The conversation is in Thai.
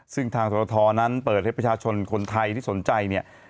ซึ่งทางสรทนั้นเปิดให้ประชาชนคนไทยที่สนใจเนี่ย